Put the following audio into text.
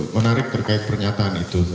menarik terkait pernyataan itu